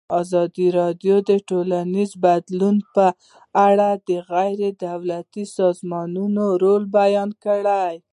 ازادي راډیو د ټولنیز بدلون په اړه د غیر دولتي سازمانونو رول بیان کړی.